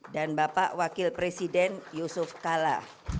dan bapak wakil presiden yusuf kala